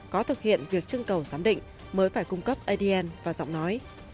có thực hiện việc trưng cầu giám định mới phải cung cấp adn và giọng nói